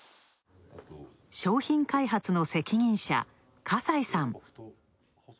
商品開発の責任者、笠井さん。